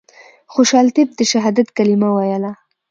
خوشحال طیب د شهادت کلمه ویله.